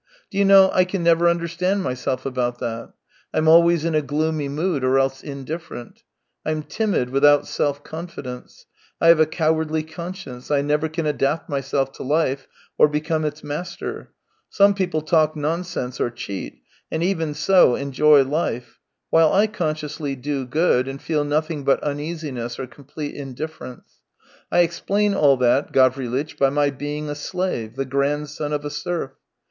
Do you know, I can never understand myself about that. Fm alwa^'s in a gloomy mood or else indifferent. Fm timid, without self confidence; I have a cowardly conscience; I never can adapt myself to life, or become its master. Some people talk nonsense or cheat, and even so enjoy life, while I consciously do good, and feel nothing but uneasiness or complete indifference. I explain all that, Gavrilitch, by my being a slave, the grandson of a serf.